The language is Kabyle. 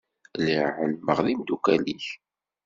Lliɣ ɛelmeɣ d imdukal-ik.